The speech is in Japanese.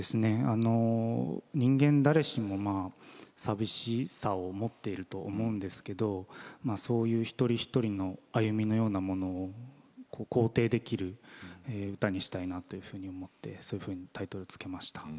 人間誰しも、さみしさを持っていると思うんですけれどそういう一人一人の歩みのようなものを肯定できる歌にしたいと思ってそのようなタイトルをつけました。